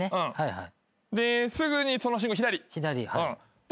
はい。